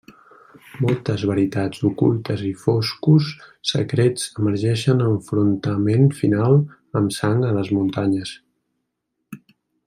Moltes veritats ocultes i foscos secrets emergeixen enfrontament final amb sang a les muntanyes.